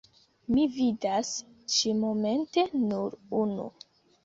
Mi vidas ĉi-momente nur unu.